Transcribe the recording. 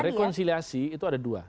rekonsiliasi itu ada dua